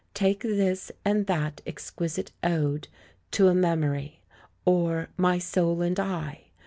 Take this and that exquisite ode, To a Memory, or My Soul and I!